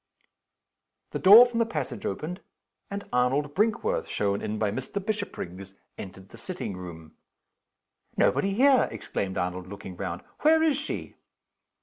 The door from the passage opened, and Arnold Brinkworth shown in by Mr. Bishopriggs entered the sitting room. "Nobody here!" exclaimed Arnold, looking round. "Where is she?"